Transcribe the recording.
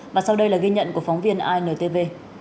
và sau đây là ghi nhận của phóng viên intv